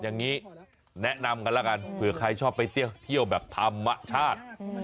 แนะนำกันละกันเผื่อใครชอบไปเที่ยวแบบธรรมชาติ